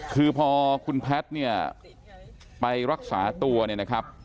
คือพอคุณแพทย์เนี่ยไปรักษาตัวเนี่ยนะครับ